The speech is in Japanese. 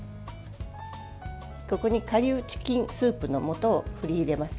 ここに顆粒チキンスープの素を振り入れます。